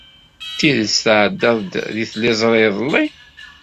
D tidet tɛeddaḍ-d deg tliẓri iḍelli?